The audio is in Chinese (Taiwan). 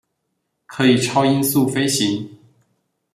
可以超音速飛行